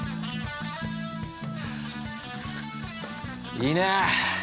いいね！